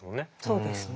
そうですね。